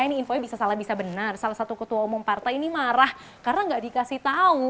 ini infonya bisa salah bisa benar salah satu ketua umum partai ini marah karena nggak dikasih tahu